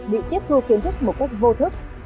bị tiếp thu kiến thức một cách vô thức